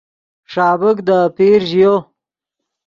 ݰابیک دے آپیر ژیو